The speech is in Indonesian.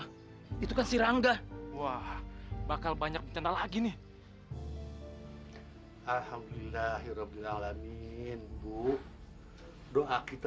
no itu kasih rangga wah bakal banyak mencetak lagi nih alhamdulillahirobbilalamin bu doa kita